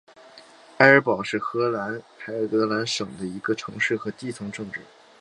埃尔堡是荷兰海尔德兰省的一个城市和基层政权。